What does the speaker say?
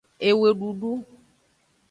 Eweduxu.